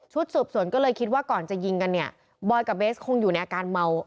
สืบสวนก็เลยคิดว่าก่อนจะยิงกันเนี่ยบอยกับเบสคงอยู่ในอาการเมา